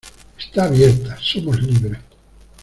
¡ Está abierta! ¡ somos libres !